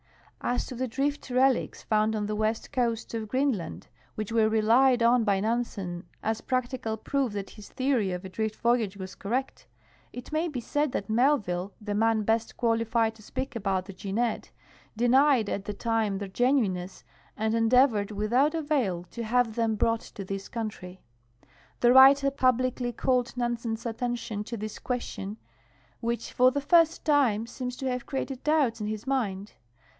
As to the drift relics found on the west coast of Greenland, which were relied on by Nansen as practical proof that his theory of a drift voyage was correct, it may he said tliat Melville, the man best qualified to speak about the Jeannette, denied at the time their genuineness and endeavored without avail to have them brought to this country. The writer puhlicl}'^ called Nan sen's attention to this question, which for the first time seems to have created doubts in his mind.